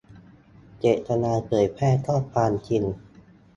- เจตนาเผยแพร่ข้อความจริง